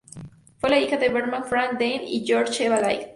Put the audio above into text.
Fue la hija de Bertram Frank Dean y Georgette Eva Light.